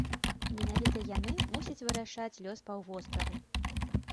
І менавіта яны мусяць вырашаць лёс паўвостраву.